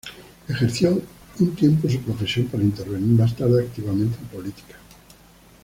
Ejerció un tiempo su profesión para intervenir más tarde activamente en política.